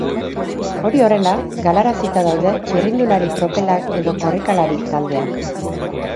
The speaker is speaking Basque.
Hori horrela, galarazita daude txirrindulari tropelak edo korrikalari taldeak.